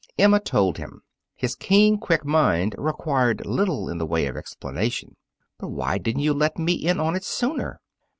Emma told him. His keen, quick mind required little in the way of explanation. "But why didn't you let me in on it sooner?"